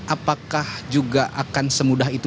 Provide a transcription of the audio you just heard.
apakah juga akan semudah itu